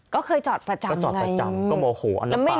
ก็เคยจอดประจำไงก็จอดประจำก็โมโหอันละปากหยอกเสริม